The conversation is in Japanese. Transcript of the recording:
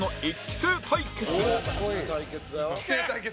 「１期生対決！」